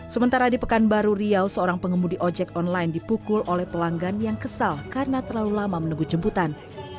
sementara di pekanbaru riau seorang pengemudi ojek online dipukul oleh pelanggan yang kesal karena terlalu lama menunggu jemputan